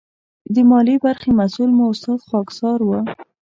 د مالي برخې مسؤل مو استاد خاکسار و.